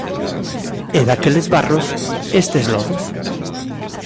E daqueles barros estes lodos.